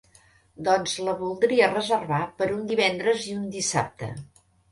Doncs la voldria reservar per un divendres i un dissabte.